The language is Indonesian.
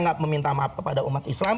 tidak meminta maaf kepada umat islam